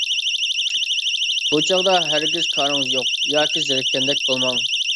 بۇ چاغدا ھەرگىز كارىڭىز يوق ياكى زېرىككەندەك بولماڭ.